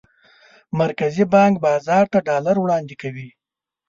مرکزي بانک بازار ته ډالر وړاندې کوي.